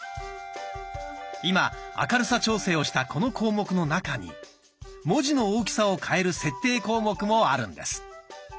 今明るさ調整をしたこの項目の中に文字の大きさを変える設定項目もあるんです。